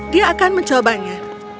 dia akan mencobanya